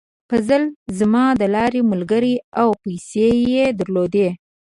فضل زما د لارې ملګری و او پیسې یې درلودې.